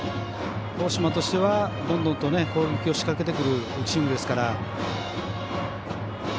大島としてはどんどんと攻撃を仕掛けてくるチームですから。